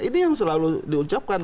ini yang selalu diucapkan